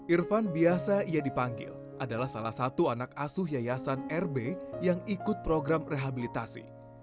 irfan biasa ia dipanggil adalah salah satu anak asuh yayasan rb yang ikut program rehabilitasi